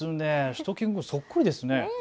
しゅと犬くん、そっくりですね。